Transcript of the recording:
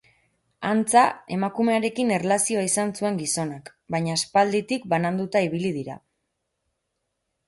Antza, emakumearekin erlazioa izan zuen gizonak, baina aspalditik bananduta ibili dira.